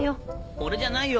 俺じゃないよ